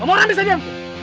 kamu orang bisa diam